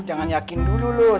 jangan yakin dulu loh